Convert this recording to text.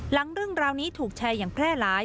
เรื่องราวนี้ถูกแชร์อย่างแพร่หลาย